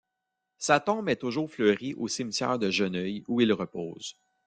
Sa tombe est toujours fleurie au cimetière de Geneuille où il repose.